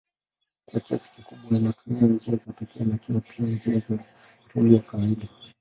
Kwa kiasi kikubwa inatumia njia za pekee lakini pia njia za reli ya kawaida.